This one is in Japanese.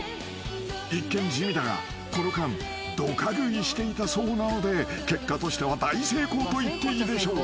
［一見地味だがこの間どか食いしていたそうなので結果としては大成功と言っていいでしょう］